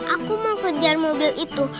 aku mau kejar mobil itu